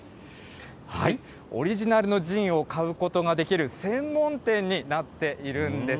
オリジナルのジンを買うことができる専門店になっているんです。